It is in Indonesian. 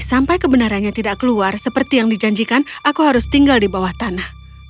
sampai kebenarannya tidak keluar seperti yang dijanjikan aku harus tinggal di bawah tanah